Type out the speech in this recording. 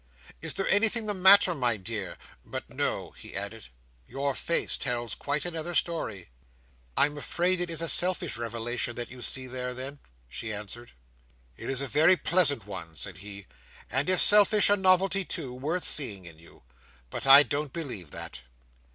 Is there anything the matter, my dear? But no," he added, "your face tells quite another story." "I am afraid it is a selfish revelation that you see there, then," she answered. "It is a very pleasant one," said he; "and, if selfish, a novelty too, worth seeing in you. But I don't believe that."